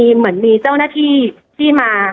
เหมือนมีเจ้าหน้าที่ที่มา